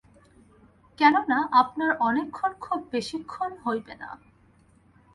কেননা, আপনার অনেকক্ষণ খুব বেশিক্ষণ হইবে না।